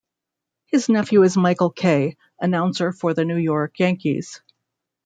His nephew is Michael Kay, announcer for the New York Yankees.